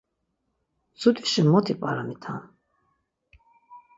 Mtsudişi mot ip̌aramitam.